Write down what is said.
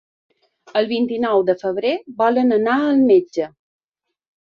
El vint-i-nou de febrer volen anar al metge.